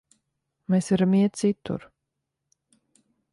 Mēs varam iet citur.